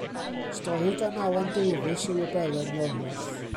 Stori gan Alan Davies yw Y Belen Iorwerth.